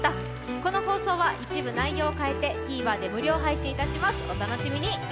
この放送は一部内容を変えて、ＴＶｅｒで無料配信いたします、お楽しみに。